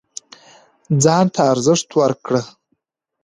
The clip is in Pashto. ځان ته ارزښت ورکړه